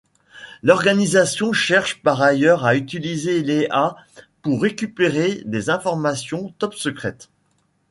L'organisation cherche par ailleurs à utiliser Léa pour récupérer des informations top secrètes.